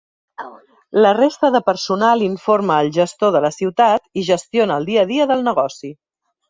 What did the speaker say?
La resta de personal informa al gestor de la ciutat i gestiona el dia a dia del negoci.